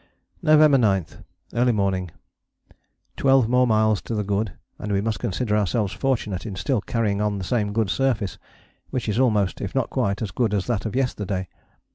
November 9. Early morning. Twelve more miles to the good, and we must consider ourselves fortunate in still carrying on the same good surface, which is almost if not quite as good as that of yesterday.